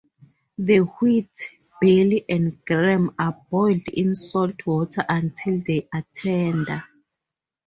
The wheat, barley and gram are boiled in salt water until they are tender.